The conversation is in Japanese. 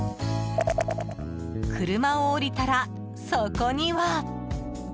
車を降りたら、そこには。